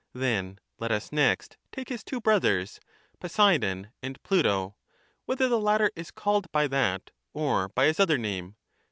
Then let us next take his two brothers, Poseidon poseidon. and Pluto, whether the latter is called by that or by his other name.